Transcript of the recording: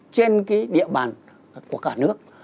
trên cái địa bàn của cả nước